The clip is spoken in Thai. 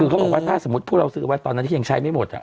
คือเขาบอกว่าถ้าสมมุติพวกเราซื้อไว้ตอนนั้นที่ยังใช้ไม่หมด